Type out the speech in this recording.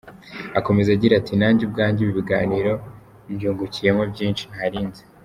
Akomeza agira ati “Nanjye ubwanjye ibi biganiro mbyungukiyemo byinshi ntari nzi.